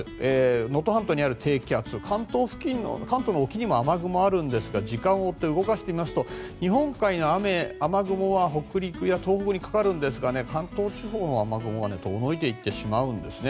能登半島にある低気圧関東の沖にも雨雲があるんですが時間を追って動かしてみますと日本海の雨雲は北陸や東北にかかるんですが関東地方の雨雲は遠のいていってしまうんですね。